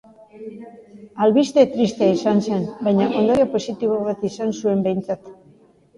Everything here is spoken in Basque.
Albiste tristea izan zen, baina ondorio positibo bat izan zuen behintzat.